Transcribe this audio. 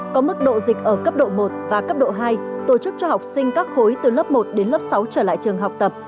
có mức độ dịch ở cấp độ một và cấp độ hai tổ chức cho học sinh các khối từ lớp một đến lớp sáu trở lại trường học tập